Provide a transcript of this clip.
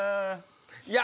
いや！